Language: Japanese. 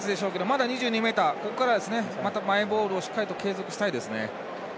まだ２２ｍ、ここからですねまたマイボールをしっかりと継続したいですね。